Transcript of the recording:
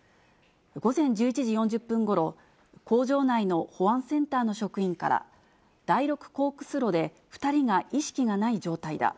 午前１１時４０分ごろ、工場内の保安センターの職員から、第６コークス炉で、２人が意識がない状態だ。